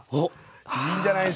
いいんじゃないっすか。